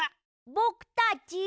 ぼくたち。